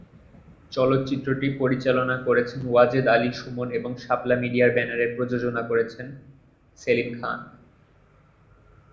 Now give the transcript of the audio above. চলচ্চিত্রটি পরিচালনা করেছেন ওয়াজেদ আলী সুমন এবং শাপলা মিডিয়ার ব্যানারে প্রযোজনা করেছেন সেলিম খান।